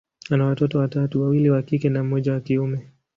ana watoto watatu, wawili wa kike na mmoja wa kiume.